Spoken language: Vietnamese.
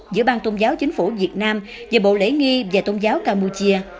giữa bang tôn giáo chính phủ việt nam và bộ lễ nghi và tôn giáo campuchia